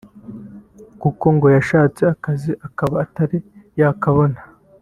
kuko ngo yashatse akazi akaba atari yakabona